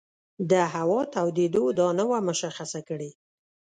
د هوا تودېدو دا نه وه مشخصه کړې.